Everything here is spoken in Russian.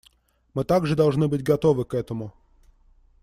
Мы также должны быть готовы к этому.